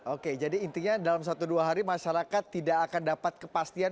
oke jadi intinya dalam satu dua hari masyarakat tidak akan dapat kepastian